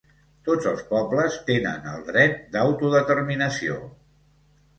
Tots els pobles tenen el dret d’autodeterminació.